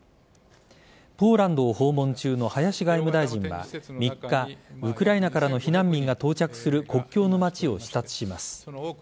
ポーランドを訪問中の林外務大臣は３日ウクライナからの避難民が到着する国境の町を視察します。